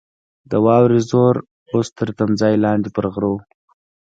د واورې زور اوس تر تمځای لاندې پر غره وو.